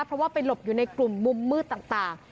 เพราะว่าไปหลบอยู่ในกลุ่มมุมมืดต่าง